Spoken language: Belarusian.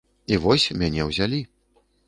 І вось, мяне ўзялі.